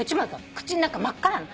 口ん中真っ赤なの。